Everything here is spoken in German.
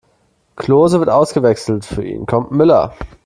Klose wird ausgewechselt, für ihn kommt Müller.